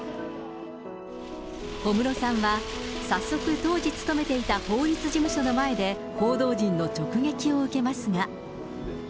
小室さんは早速、当時勤めていた法律事務所の前で報道陣の直撃を受けますが。